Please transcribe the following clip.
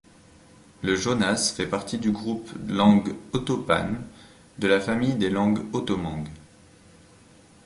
Le jonaz fait partie du groupe langues oto-pames de la famille des langues otomangues.